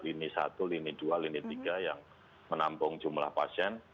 lini satu lini dua lini tiga yang menampung jumlah pasien